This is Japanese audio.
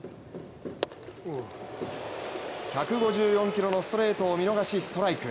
１５４キロのストレートを見逃しストライク。